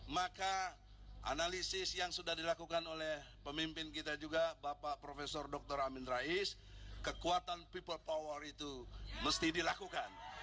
maka analisis yang sudah dilakukan oleh pemimpin kita juga bapak profesor dr amin rais kekuatan people power itu mesti dilakukan